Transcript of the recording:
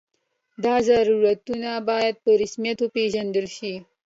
دا ضرورتونه باید په رسمیت وپېژندل شي.